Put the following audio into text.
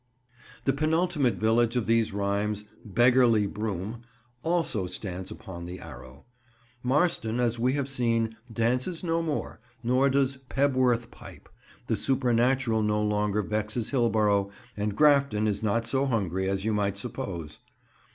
The penultimate village of these rhymes, "Beggarly" Broom, also stands upon the Arrow. Marston, as we have seen, dances no more, nor does Pebworth pipe; the supernatural no longer vexes Hillborough, and Grafton is not so hungry as you might suppose.